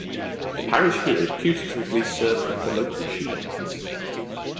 The parish here putatively served the local shoemakers.